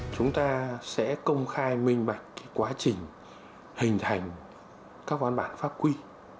chúng ta sẽ công khai minh bạch quá trình hình thành các văn bản pháp quy